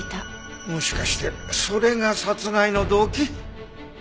もしかしてそれが殺害の動機？あっ。